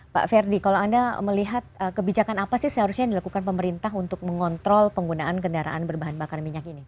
pak ferdi kalau anda melihat kebijakan apa sih seharusnya yang dilakukan pemerintah untuk mengontrol penggunaan kendaraan berbahan bakar minyak ini